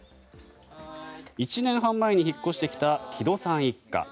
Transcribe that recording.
１年半前に引っ越してきた木戸さん一家。